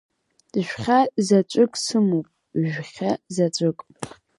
Жәхьа заҵәык сымоуп, жәхьа заҵәык…